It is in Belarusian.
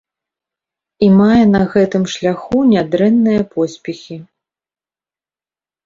І мае на гэтым шляху нядрэнныя поспехі.